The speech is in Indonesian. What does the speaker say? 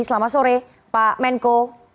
selamat sore pak menko